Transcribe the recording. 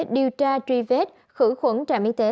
điều tra truy vết khử khuẩn trạm y tế